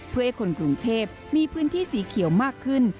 เพื่อให้คนกรุงเทพมีพื้นที่สีเขียวมากขึ้น